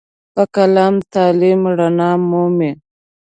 په قلم تعلیم رڼا مومي.